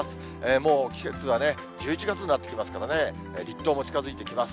もう季節はね、１１月になってきますからね、立冬も近づいてきます。